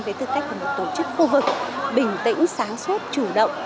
với tư cách của một tổ chức khu vực bình tĩnh sáng suốt chủ động